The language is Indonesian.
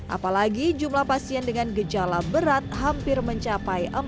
apalagi jumlah pasien dengan gejala berat hampir mencapai empat puluh